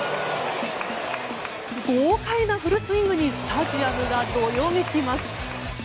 豪快なフルスイングにスタジアムがどよめきます。